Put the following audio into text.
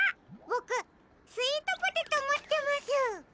ボクスイートポテトもってます。